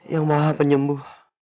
yang maha penyembuh